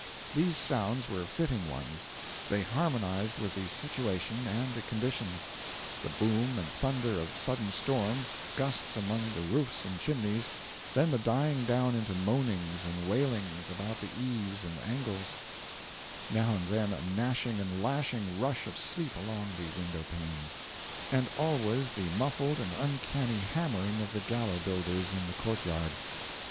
These sounds were fitting ones: they harmonised with the situation and the conditions: the boom and thunder of sudden storm gusts among the roofs and chimneys, then the dying down into moanings and wailings about the eaves and angles; now and then a gnashing and lashing rush of sleet along the window panes; and always the muffled and uncanny hammering of the gallows builders in the court yard.